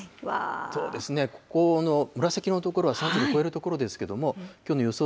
そうですね、ここの紫色の所は３０度を超える所ですけれども、きょうの予想